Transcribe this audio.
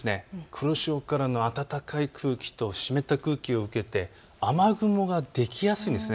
黒潮からの暖かい空気と湿った空気を受けて雨雲ができやすいんです。